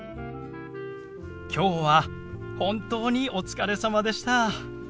今日は本当にお疲れさまでした。